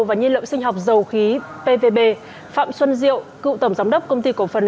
và nhiên liệu sinh học dầu khí pvb phạm xuân diệu cựu tổng giám đốc công ty cổ phần